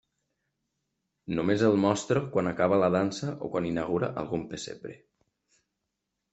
Només el mostra quan acaba la dansa o quan inaugura algun pessebre.